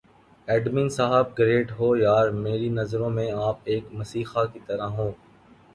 admin صاحب great ہو یار میری نظروں میں آپ ایک مسیحا کی طرح ہوں